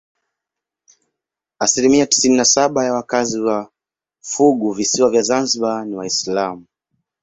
Asilimia tisini na saba ya wakazi wa funguvisiwa vya Zanzibar ni Waislamu.